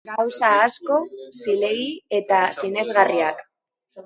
Gauza asko, zilegi, eta sinesgarriak.